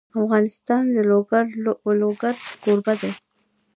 افغانستان د لوگر کوربه دی.